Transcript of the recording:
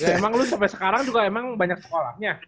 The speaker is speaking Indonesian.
ya emang lu sampe sekarang juga emang banyak sekolahnya